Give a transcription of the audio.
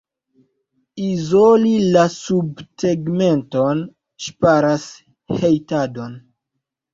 Izoli la subtegmenton ŝparas hejtadon.